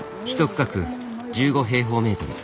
１区画１５平方メートル。